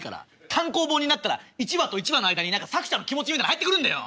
単行本になったら１話と１話の間に何か作者の気持ちみたいなの入ってくるんだよ。